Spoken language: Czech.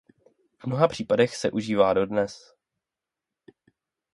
V mnoha případech se užívá dodnes.